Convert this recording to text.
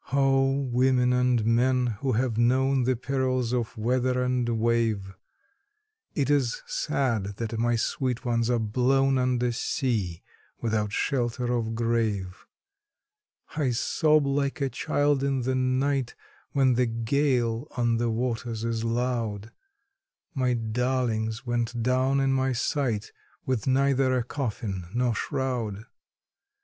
Oh, women and men who have known the perils of weather and wave, It is sad that my sweet ones are blown under sea without shelter of grave; I sob like a child in the night, when the gale on the waters is loud My darlings went down in my sight, with neither a coffin nor shroud.